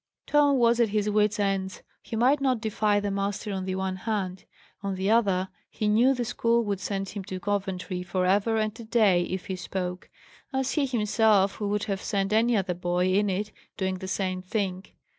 Tom was at his wits' ends. He might not defy the master, on the one hand; on the other, he knew the school would send him to Coventry for ever and a day, if he spoke; as he himself would have sent any other boy, in it, doing the same thing.